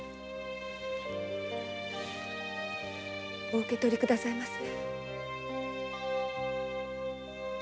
お受け取り下さいませ。